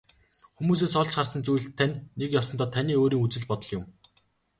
Хүмүүсээс олж харсан зүйл тань нэг ёсондоо таны өөрийн үзэл бодол юм.